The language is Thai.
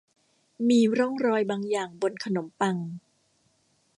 มีร่องรอยบางอย่างบนขนมปัง